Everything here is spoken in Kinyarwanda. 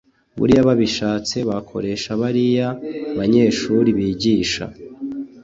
Buriya babishatse bakoresha bariya banyeshuri bigisha